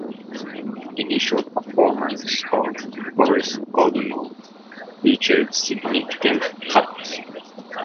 Initial performances of "Boris Godunov" featured significant cuts.